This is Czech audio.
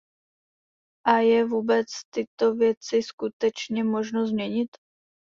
A je vůbec tyto věci skutečně možno změnit?